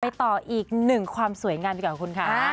ไปต่ออีก๑ความสวยงามเก่าคุณค่ะ